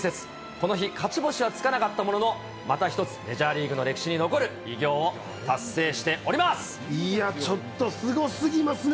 この日、勝ち星はつかなかったものの、また一つ、メジャーリーグの歴史に残る偉業いやぁ、ちょっとすごすぎますね。